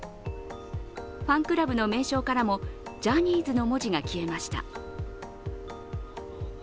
ファンクラブの名称からも「ジャニーズ」の文字が消えました。